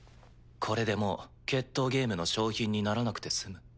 これでもう決闘ゲームの賞品にならなくて済む。